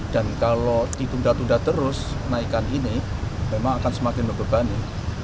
dan kalau ditunda tunda terus kenaikan ini memang akan semakin membebani